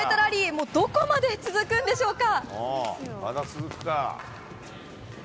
もうどこまで続くんでしょうか。